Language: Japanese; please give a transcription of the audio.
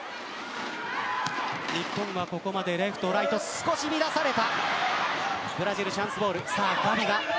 日本はここまでレフトライト少し乱された。